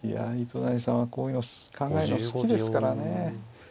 糸谷さんはこういうの考えるの好きですからね。